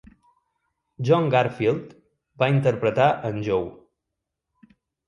John Garfield va interpretar en Joe.